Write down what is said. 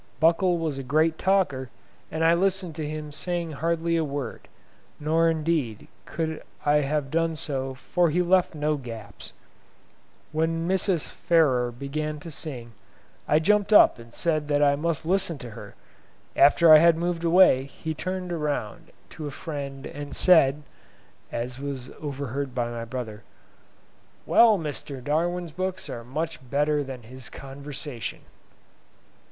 Buckle was a great talker, and I listened to him saying hardly a word, nor indeed could I have done so for he left no gaps. When Mrs. Farrer began to sing, I jumped up and said that I must listen to her; after I had moved away he turned around to a friend and said (as was overheard by my brother), "Well, Mr. Darwin's books are much better than his conversation."